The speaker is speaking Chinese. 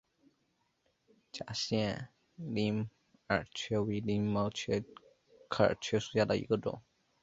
假线鳞耳蕨为鳞毛蕨科耳蕨属下的一个种。